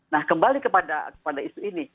nah kembali kepada isu ini